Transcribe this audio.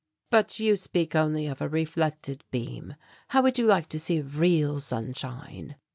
"But you speak only of a reflected beam; how would you like to see real sunshine?"